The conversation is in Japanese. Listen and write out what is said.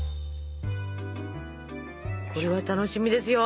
これは楽しみですよ。